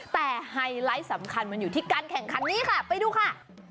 แต่ไฮไลท์สำคัญมันอยู่ที่การแข่งขันนี้ค่ะไปดูค่ะ